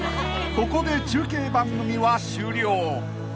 ［ここで中継番組は終了］